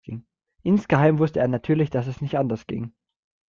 Insgeheim wusste er natürlich, dass es nicht anders ging.